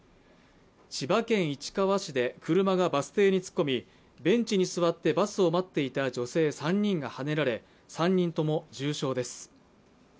千葉県市川市で車がバス停に突っ込みベンチに座ってバスを待っていた女性３人がはねられ３人とも重傷です。